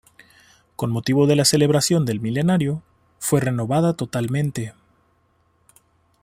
Con motivo de la celebración del milenario, fue renovada totalmente.